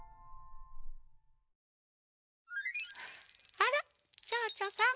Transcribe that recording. あらちょうちょさん！